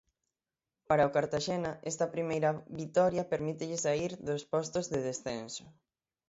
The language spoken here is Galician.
Para o Cartaxena, esta primeira vitoria permítelle saír dos postos de descenso.